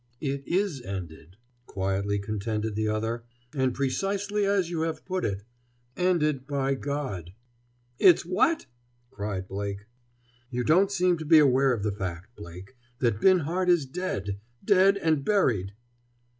"It is ended," quietly contended the other. "And precisely as you have put it—Ended by God!" "It's what?" cried Blake. "You don't seem to be aware of the fact, Blake, that Binhart is dead—dead and buried!"